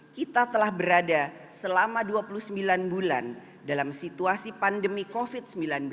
kita telah berada selama dua puluh sembilan bulan dalam situasi pandemi covid sembilan belas